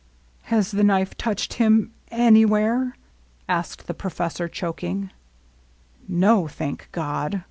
"Has the knife touched him — anywhere?" asked the professor, choking. "No, thank God!"